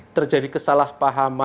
karena terjadi kesalahpahaman